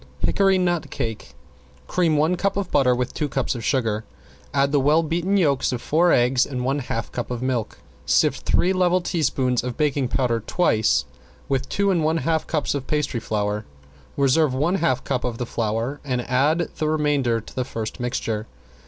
~HICKORY NUT CAKE~ Cream one cup of butter with two cups of sugar, add the well beaten yolks of four eggs, and one half cup of milk. Sift three level teaspoons of baking powder twice with two and one half cups of pastry flour. Reserve one half cup of the flour and add the remainder to the first mixture.